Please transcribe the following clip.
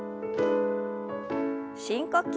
深呼吸。